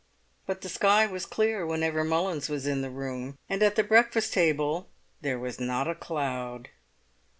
But the sky was clear whenever Mullins was in the room. And at the breakfast table there was not a cloud.